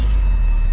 sudah gila kau ini